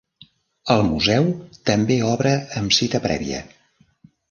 El museu també obre amb cita prèvia.